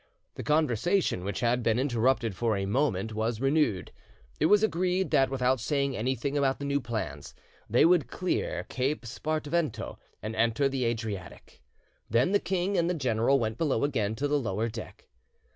The conversation, which had been interrupted for a moment, was renewed: it was agreed that without saying anything about the new plans, they would clear Cape Spartivento and enter the Adriatic; then the king and the general went below again to the lower deck.